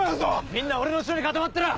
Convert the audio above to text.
みんな俺の後ろに固まってろ！